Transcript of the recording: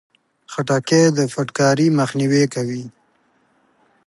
خټکی د فټکاري مخنیوی کوي.